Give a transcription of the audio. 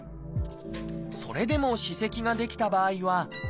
それでも歯石が出来た場合は「スケーリング」。